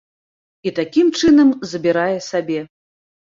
І такім чынам забірае сабе.